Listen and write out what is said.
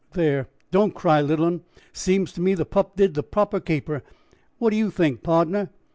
"There, don't cry, little un; seems to me the purp did the proper caper. What do you think, pardner?"